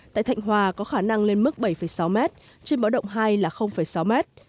tại thạnh hòa có khả năng lên mức bảy sáu mét trên bớt động hai là sáu mét